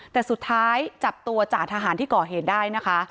แต่สุดท้ายจับตัวจ่าทหารที่ก่อเหตุได้นะคะ